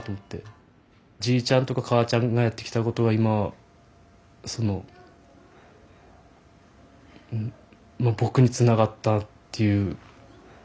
じいちゃんとか母ちゃんがやってきたことが今その僕につながったっていう。